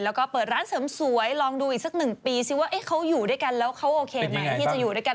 แล้วก็เปิดร้านเสริมสวยลองดูอีกสักหนึ่งปีซิว่าเขาอยู่ด้วยกันแล้วเขาโอเคไหมที่จะอยู่ด้วยกัน